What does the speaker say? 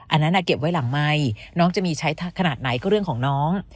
อันนั้นเก็บไว้หลังไมค์น้องจะมีใช้ขนาดไหนก็เรื่องของน้อง